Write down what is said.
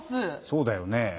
そうだよね。